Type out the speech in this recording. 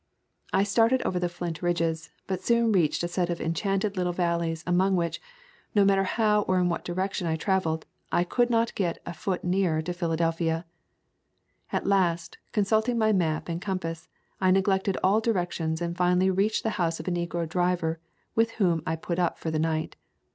I started over the flint ridges, but soon reached a set of enchanted little valleys among which, no matter how or in what direction I traveled, I could not get a foot nearer to Phila delphia. At last, consulting my map and com pass, I neglected all directions and finally reached the house of a negro driver, with whom I put up for the night.